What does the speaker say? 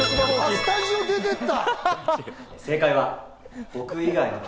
スタジオ出てった！